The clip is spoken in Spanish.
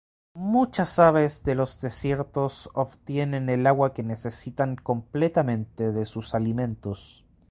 Muchas aves de los desiertos obtienen el agua que necesitan completamente de sus alimentos.